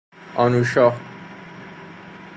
آنوشا